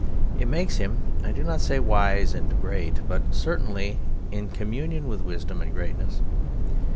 It makes him, I do not say wise and great, but certainly in communion with wisdom and greatness.